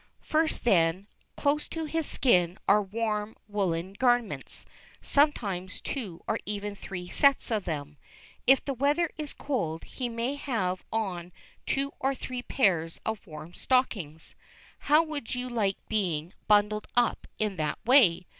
First, then, close to his skin are warm woollen garments, sometimes two or even three sets of them. If the weather is cold, he may have on two or three pairs of warm stockings. How would you like being bundled up in that way?